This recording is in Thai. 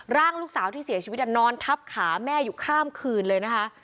ร่างลูกสาวที่เสียชีวิตนอนทับขาแม่อยู่ข้ามคืนเลยนะคะ